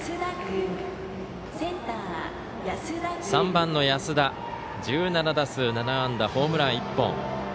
３番の安田、１７打数７安打ホームラン、１本。